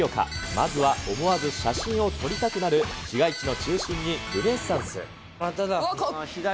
まずは思わず写真を撮りたくなる市街地の中心にルネサンス。